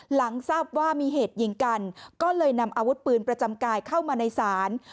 หลังทราบว่ามีเหตุยิงกันก็เลยนำอาวุธปืนประจำกายเข้ามาในศาล